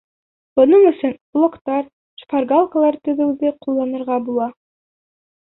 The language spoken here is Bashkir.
Бының өсөн блоктар, шпаргалкалар төҙөүҙе ҡулланырға була.